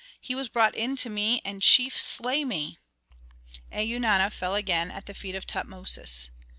He was brought in to me, and, chief slay me!" Eunana fell again at the feet of Tutmosis.